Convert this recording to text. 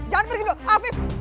jangan pergi dulu afif